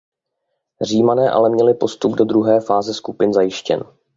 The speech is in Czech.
Římané ale měli postup do druhé fáze skupin zajištěn.